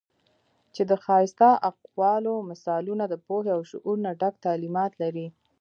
چې د ښائسته اقوالو، مثالونو د پوهې او شعور نه ډک تعليمات لري